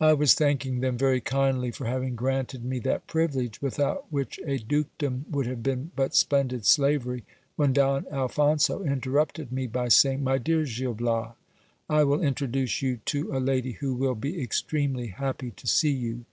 I was thanking them very kindly for having granted me that privilege, with out which a dukedom would have been but splendid slavery, when Don Al phonso interrupted me by saying : My dear Gil Bias, I will introduce you to a lady who will be extremely happy to see you.